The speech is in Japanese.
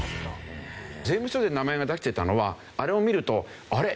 税務署で名前を出してたのはあれを見るとあれ？